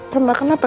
pernah makan apa